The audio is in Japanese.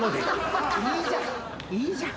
いいじゃん。